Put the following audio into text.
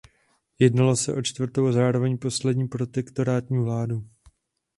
Jednalo se o čtvrtou a zároveň poslední protektorátní vládu.